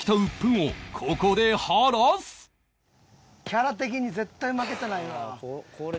キャラ的に絶対負けたないわ。